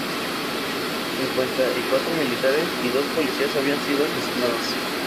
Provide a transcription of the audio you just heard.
Cincuenta y cuatro militares y dos policías habían sido asesinados.